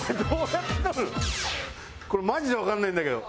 これマジでわかんないんだけど。